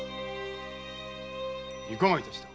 いかが致した？